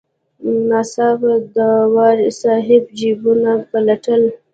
ناڅاپه داوري صاحب جیبونه پلټل.